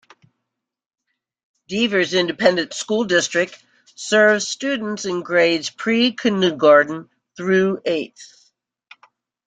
Devers Independent School District serves students in grades pre-kindergarten through eighth.